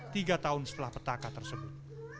tiga tahun setelah petaka tersebut